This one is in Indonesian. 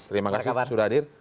terima kasih sudah hadir